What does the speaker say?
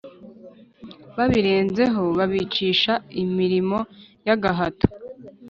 babirenzeho babicisha imirimo y’agahato.